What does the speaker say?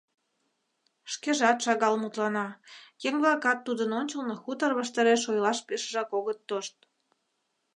Шкежат шагал мутлана, еҥ-влакат тудын ончылно хутор ваштареш ойлаш пешыжак огыт тошт.